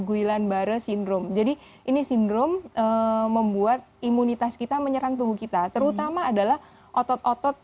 guilan baru sindrom jadi ini sindrom membuat imunitas kita menyerang tubuh kita terutama adalah otot otot